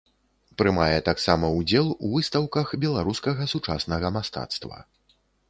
Прымае таксама ўдзел у выстаўках беларускага сучаснага мастацтва.